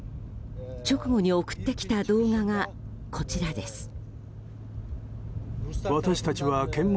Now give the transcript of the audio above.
直後に送ってきた動画がこちらです。